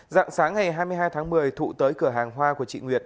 dạng sáng ngày hai mươi hai tháng một mươi thụ tới cửa hàng hoa của chị nguyệt